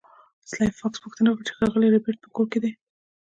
سلای فاکس پوښتنه وکړه چې ښاغلی ربیټ په کور کې دی